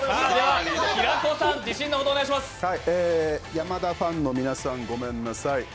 山田ファンの皆さん、ごめんなさい。